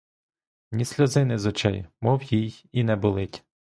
Ні сльозини з очей, мов їй і не болить!